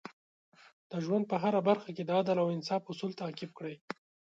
د ژوند په هره برخه کې د عدل او انصاف اصول تعقیب کړئ.